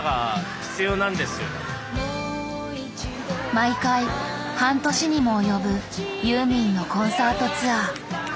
毎回半年にも及ぶユーミンのコンサートツアー。